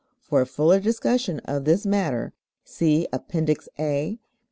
For a fuller discussion of this matter see Appendix A, p.